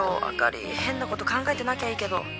あかり変なこと考えてなきゃいいけど。